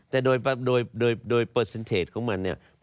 แต่โดยเปอร์เซ็นเทจของมันเนี่ย